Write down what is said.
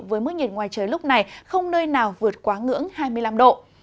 với mức nhiệt ngoài trời lúc này không nơi nào vượt quá ngưỡng hai mươi năm độ